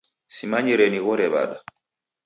Simanyire nighore w'ada.